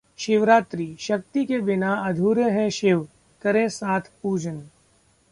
शिवरात्रि: 'शक्ति' के बिना अधूरे हैं 'शिव', करें साथ पूजन